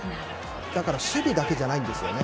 だから守備だけじゃないんです